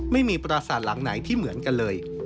ไม่มีปราศาสตร์หลังไหนที่เหมือนกันเลย